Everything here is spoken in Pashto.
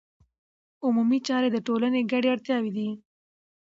عمومي چارې د ټولنې ګډې اړتیاوې دي.